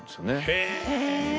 へえ。